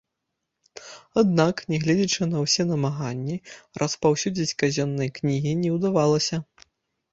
Аднак, нягледзячы на ўсе намаганні, распаўсюдзіць казённыя кнігі не ўдавалася.